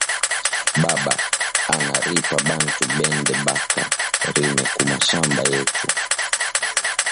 Baba ana ripa bantu bende baka rime ku mashamba yetu